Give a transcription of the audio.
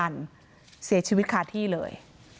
นายพิรายุนั่งอยู่ติดกันแบบนี้นะคะ